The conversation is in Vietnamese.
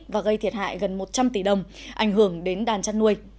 và gây thiệt hại gần một trăm linh tỷ đồng ảnh hưởng đến đàn chăn nuôi